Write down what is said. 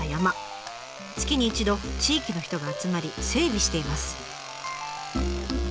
月に一度地域の人が集まり整備しています。